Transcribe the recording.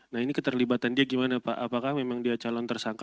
nah ini keterlibatan dia gimana pak apakah memang dia calon tersangka